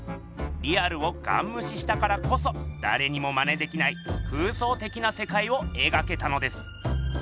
リアルをガンむししたからこそだれにもマネできない空想的なせかいをえがけたのです。